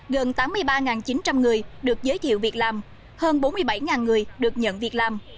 gần tám mươi ba chín trăm linh người được giới thiệu việc làm hơn bốn mươi bảy người được nhận việc làm